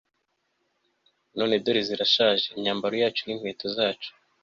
none dore zirashaje; imyambaro yacu n'inkweto zacu